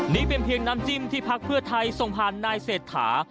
นี่เป็นเพียงน้ำจิ้มที่พักเพื่อไทยส่งผ่านนายเศรษฐา